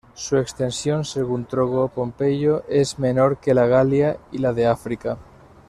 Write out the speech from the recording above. Su extensión, según Trogo Pompeyo, es menor que la Galia y la de África.